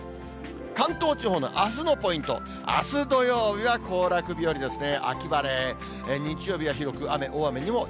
関東地方のあすのポイント、あす土曜日は行楽日和ですね。